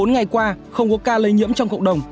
bốn mươi bốn ngày qua không có ca lây nhiễm trong cộng đồng